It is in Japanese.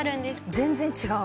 全然違う。